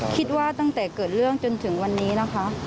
คิดว่าตั้งแต่เกิดเรื่องจนถึงวันนี้นะคะ